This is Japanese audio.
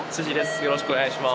よろしくお願いします。